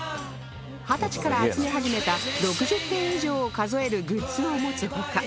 二十歳から集め始めた６０点以上を数えるグッズを持つ他